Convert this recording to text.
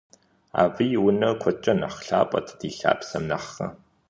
Абы и унэр куэдкӀэ нэхъ лъапӀэт ди лъапсэм нэхърэ.